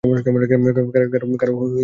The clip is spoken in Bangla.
কারো অনুমতি তার দরকার নেই।